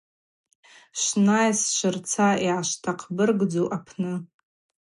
Швнай, сшвырца йъашвтахъбыргдзу апны.